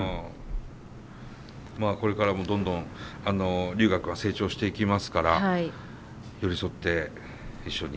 まあこれからもどんどんリュウガ君は成長していきますから寄り添って一緒に。